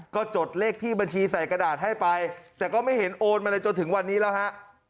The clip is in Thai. ก็จดเลขที่บัญชีใส่กระดาษให้ไปแต่ก็ไม่เห็นโอนมาเลยจนถึงวันนี้แล้วฮะ